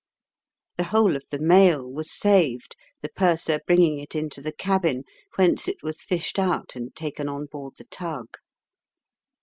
The whole of the mail was saved, the purser bringing it into the cabin, whence it was fished out and taken on board the tug.